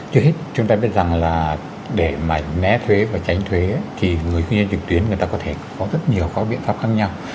trước hết chúng ta biết rằng là để mà né thuế và tránh thuế thì người ghi hình trực tuyến người ta có thể có rất nhiều các biện pháp khác nhau